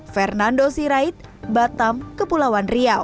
fernando sirait batam kepulauan riau